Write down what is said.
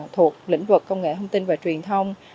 thuộc lĩnh vực công nghệ thông tin và truyền thông